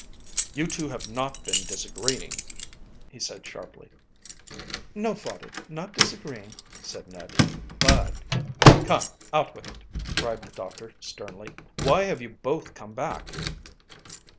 "You two have not been disagreeing?" he said sharply. "No, father, not disagreeing," said Ned, "but " "Come, out with it," cried the doctor sternly. "Why have you both come back?"